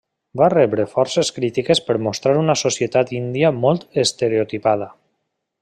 Va rebre forces crítiques per mostrar una societat índia molt estereotipada.